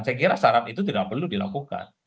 saya kira syarat itu tidak perlu dilakukan